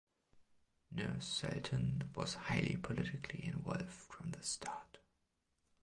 Nur Sultan was highly politically involved from the start.